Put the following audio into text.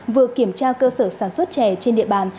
vừa kiểm tra cơ sở sản xuất chè trên địa bàn